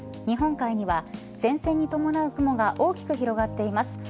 日本海には前線に伴う雲が大きく広がっています。